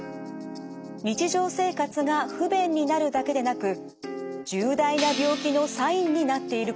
日常生活が不便になるだけでなく重大な病気のサインになっていることも。